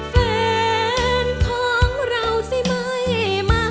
แฟนของเราสิไม่มา